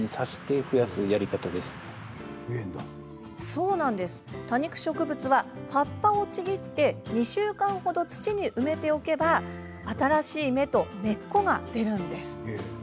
そう、多肉植物は葉っぱをちぎり２週間ほど土に埋めておけば新しい芽と根っこが出るんです。